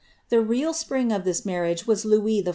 The real spring of this marriage was Louis XIV.